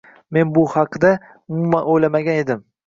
Men bu haqida umuman oʻylamagan edim